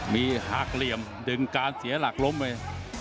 มีหักเหลี่ยมดึงการเสียหลักล้มไป